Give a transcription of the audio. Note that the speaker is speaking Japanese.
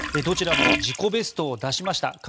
どちらも自己ベストを出しました。